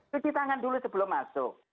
cuci tangan dulu sebelum masuk